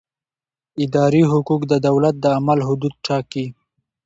اداري حقوق د دولت د عمل حدود ټاکي.